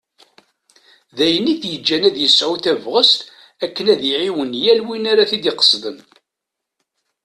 D ayen i t-yettaǧǧan ad yesɛu tabɣest akken ad iɛawen yal win ara ten-id-iqesden.